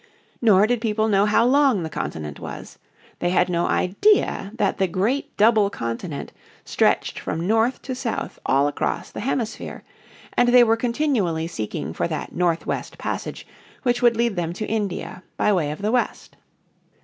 Nor did people know how long the continent was. They had no idea that the great double continent stretched from north to south all across the hemisphere, and they were continually seeking for that North West passage which would lead them to India by way of the west.